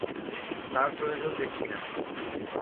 তার প্রয়োজন দেখছি না।